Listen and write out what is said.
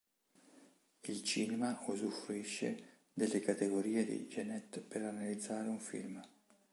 Il cinema usufruisce delle categorie di Genette per analizzare un film.